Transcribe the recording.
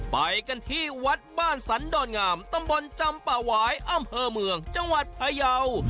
ไปกันที่วัดบ้านสันดอนงามตำบลจำป่าหวายอำเภอเมืองจังหวัดพยาว